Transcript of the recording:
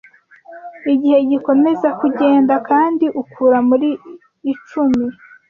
Igihe gikomeza kugenda, kandi ukura muri icumi.